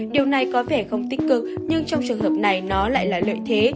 điều này có vẻ không tích cực nhưng trong trường hợp này nó lại là lợi thế